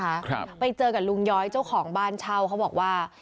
ครับไปเจอกับลุงย้อยเจ้าของบ้านเช่าเขาบอกว่า